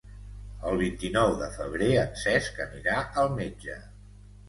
El vint-i-nou de febrer en Cesc anirà al metge.